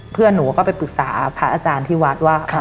เพื่อนหนูก็ไปปรึกษาพระอาจารย์ที่วัดว่า